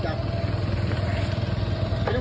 โบราณมงดสดอม